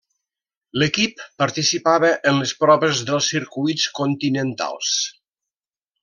L'equip participava en les proves dels circuits continentals.